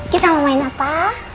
kita mau main apa